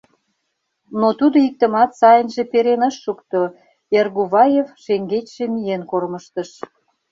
Но тудо иктымат сайынже перен ыш шукто, Эргуваев шеҥгечше миен кормыжтыш.